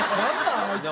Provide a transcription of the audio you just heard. あいつ！